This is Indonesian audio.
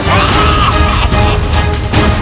kau akan menang